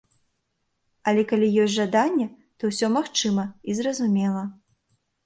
Але калі ёсць жаданне, то ўсё магчыма і зразумела.